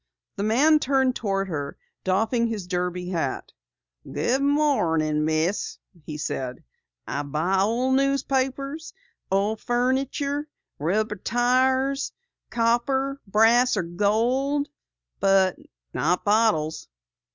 The man turned toward her, doffing his derby hat. "Good morning, Miss," he said. "I buy newspapers, old furniture, rubber tires, copper, brass, or gold, but not bottles."